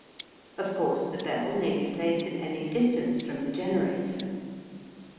Of course the bell may be placed at any distance from the generator.